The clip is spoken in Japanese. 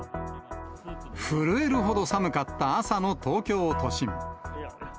震えるほど寒かった朝の東京都心。